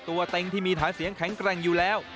เต็งที่มีฐานเสียงแข็งแกร่งอยู่แล้ว